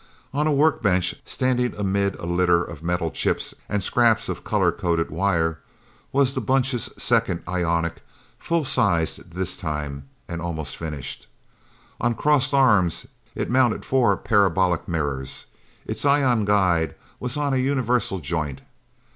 On a workbench, standing amid a litter of metal chips and scraps of color coded wire, was the Bunch's second ionic, full size this time, and almost finished. On crossed arms it mounted four parabolic mirrors; its ion guide was on a universal joint.